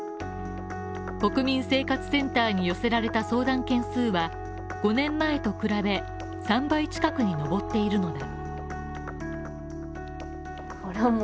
国民生活センターに寄せられた相談件数は５年前と比べ３倍近くに上っているのだ。